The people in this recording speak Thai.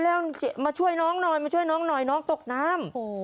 เร็วมาช่วยน้องหน่อยน้องตกน้ำ